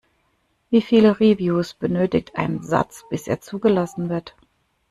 Wie viele Reviews benötigt ein Satz, bis er zugelassen wird?